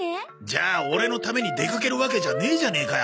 じゃあオレのために出かけるわけじゃねえじゃねえか！